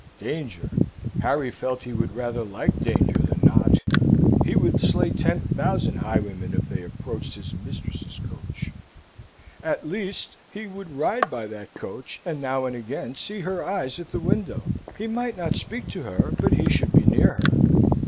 Danger! Harry felt he would rather like danger than not. He would slay ten thousand highwaymen if they approached his mistress's coach. At least, he would ride by that coach, and now and again see her eyes at the window. He might not speak to her, but he should be near her.